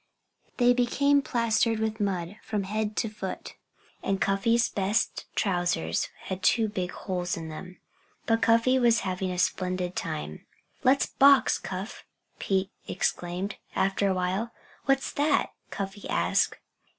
They became plastered with mud from head to foot. And Cuffy's best trousers had two big holes in them. But Cuffy was having a splendid time. "Let's box, Cuff!" Pete exclaimed, after a while. "What's that?" Cuffy asked.